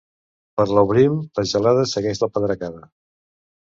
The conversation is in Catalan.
Per l'abril la gelada segueix la pedregada.